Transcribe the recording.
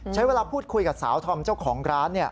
ใช้เวลาพูดคุยกับสาวธอมเจ้าของร้าน